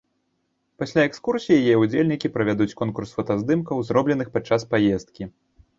Пасля экскурсіі яе ўдзельнікі правядуць конкурс фотаздымкаў, зробленых падчас паездкі.